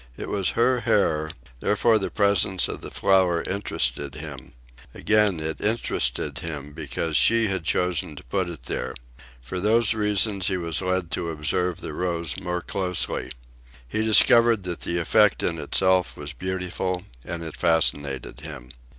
It was her hair, therefore the presence of the flower interested him. Again, it interested him because she had chosen to put it there. For these reasons he was led to observe the rose more closely. He discovered that the effect in itself was beautiful, and it fascinated him.